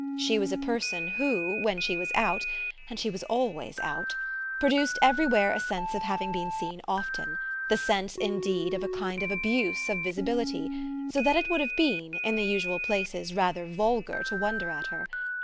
She was a person who, when she was out and she was always out produced everywhere a sense of having been seen often, the sense indeed of a kind of abuse of visibility, so that it would have been, in the usual places rather vulgar to wonder at her.